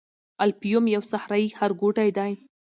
الفیوم یو صحرايي ښارګوټی دی.